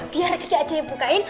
biar kita aja yang bukain